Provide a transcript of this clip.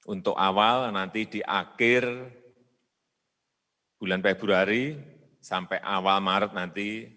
untuk awal nanti di akhir bulan februari sampai awal maret nanti